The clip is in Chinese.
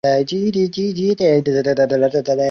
一部分电动列车以此站为起终点。